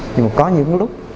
nhưng mà có những lúc